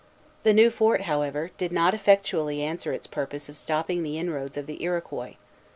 The new fort, however, did not effectually answer its purpose of stopping the inroads of the Iroquois.